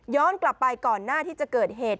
กลับไปก่อนหน้าที่จะเกิดเหตุ